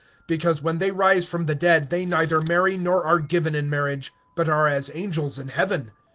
(25)For when they shall rise from the dead, they neither marry, nor are given in marriage; but are as angels who are in heaven.